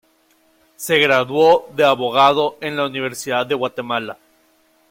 Se graduó de abogado en la Universidad de Guatemala.